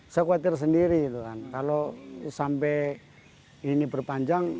saya khawatir sendiri kalau sampai ini berpanjang